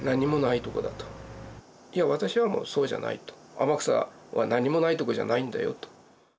天草は何もないとこじゃないんだよと。